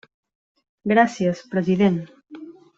Gràcies, president.